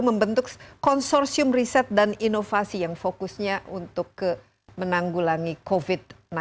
membentuk konsorsium riset dan inovasi yang fokusnya untuk menanggulangi covid sembilan belas